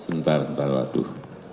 bentar bentar waduh